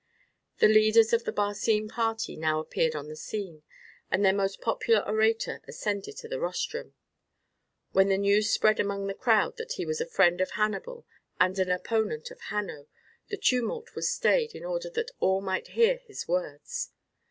The leaders of the Barcine party now appeared on the scene, and their most popular orator ascended the rostrum. When the news spread among the crowd that he was a friend of Hannibal and an opponent of Hanno, the tumult was stayed in order that all might hear his words.